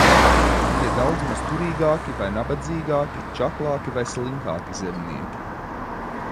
Bija daudzmaz turīgāki vai nabadzīgāki, čaklāki vai slinkāki zemnieki.